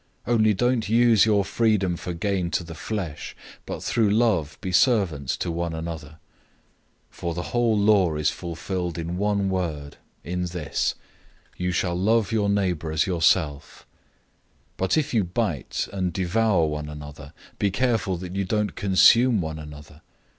Only don't use your freedom for gain to the flesh, but through love be servants to one another. 005:014 For the whole law is fulfilled in one word, in this: "You shall love your neighbor as yourself."{Leviticus 19:18} 005:015 But if you bite and devour one another, be careful that you don't consume one another.